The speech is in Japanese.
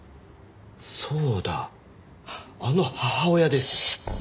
そうだあの母親ですよ。